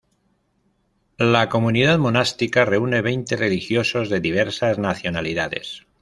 La comunidad monástica reúne veinte religiosos de diversas nacionalidades.